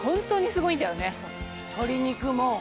鶏肉も。